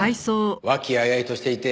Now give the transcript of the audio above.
和気あいあいとしていて。